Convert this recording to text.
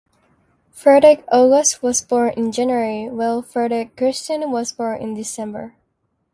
Friedrich August was born in January, while Friedrich Christian was born in December.